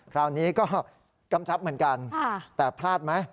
คราวนี้ก็กำชับเหมือนกันแต่พลาดไหม